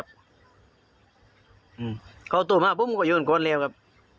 เพื่อทุกคนมาพุ่มก็อยู่กับคนแล้วครับ